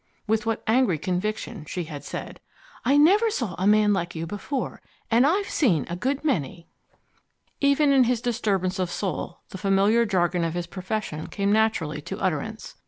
With what angry conviction she had said: "I never saw a man like you before and I've seen a good many!" Even in his disturbance of soul the familiar jargon of his profession came naturally to utterance.